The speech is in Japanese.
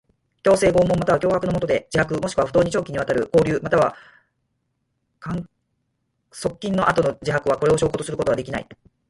強制、拷問または脅迫のもとでの自白もしくは不当に長期にわたる抑留または拘禁の後の自白は、これを証拠とすることはできない。